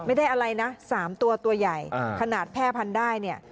ไม่ได้อะไรนะ๓ตัวตัวใหญ่ขนาดแพร่พันธุ์ได้เนี่ย